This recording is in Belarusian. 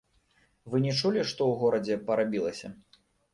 Вы не чулі, што ў горадзе парабілася?